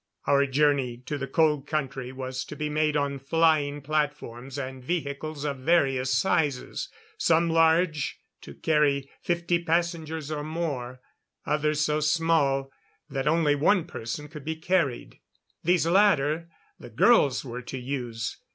Our journey to the Cold Country was to be made on flying platforms and vehicles of various sizes; some large to carry fifty passengers or more; others so small that only one person could be carried. These latter, the girls were to use.